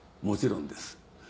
もちろんです。